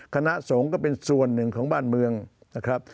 คณะสงฆ์ก็เป็นส่วนหนึ่งของบ้านเมืองนะครับ